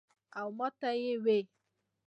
او ماته ئې وې ـ "